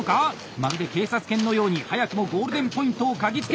まるで警察犬のように早くもゴールデンポイントを嗅ぎつけた！